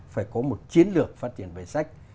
phải có một chiến lược phát triển về sách